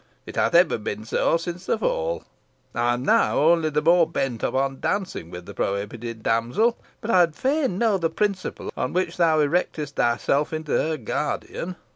It hath ever been so since the fall. I am now only the more bent upon dancing with the prohibited damsel. But I would fain know the principle on which thou erectest thyself into her guardian.